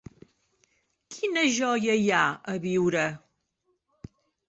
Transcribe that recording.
Quina joia hi ha a viure?